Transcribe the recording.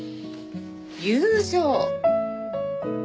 友情。